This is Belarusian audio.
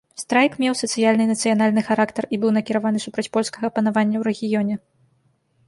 Страйк меў сацыяльны і нацыянальны характар і быў накіраваны супраць польскага панавання ў рэгіёне.